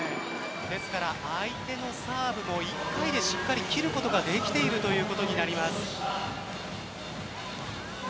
相手のサーブを１回でしっかり切ることができているということになります。